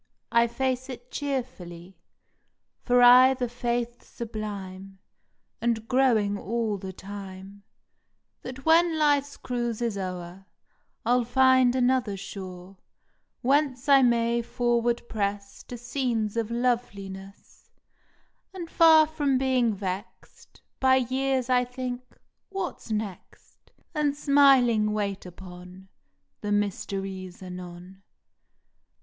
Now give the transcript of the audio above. " I face it cheerfully, For I ve a faith sublime, And growing all the time, That when life s cruise is o er I ll find another shore Whence I may forward press To scenes of loveliness, And far from being vexed By years, I think, "What next?" And smiling wait upon The mysteries anon.